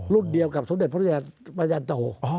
รุ่นเดียวกับสมเด็จพระราชนาโต